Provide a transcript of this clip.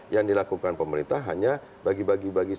yang dilakukan pemerintah hanya bagi bagi